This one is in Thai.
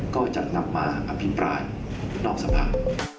ก็จะนำมาอภิปรายนอกสภา